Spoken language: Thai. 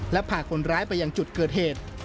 และพาคนร้ายไปยังจุดเกิดเหตุ